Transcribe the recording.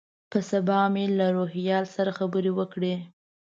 په سبا مې له روهیال سره خبرې وکړې.